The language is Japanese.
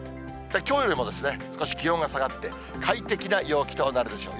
きょうよりも少し気温が下がって、快適な陽気となるでしょう。